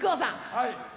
はい。